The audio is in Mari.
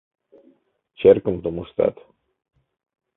ЧЕРКЫМ ТУМЫШТАТ